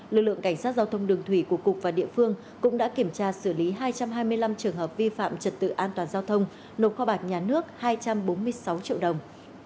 lực lượng cảnh sát giao thông đường thủy của cục và địa phương cũng đã kiểm tra xử lý hai trăm hai mươi năm trường hợp vi phạm trật tự an toàn giao thông nộp kho bạc nhà nước hai trăm bốn mươi sáu triệu đồng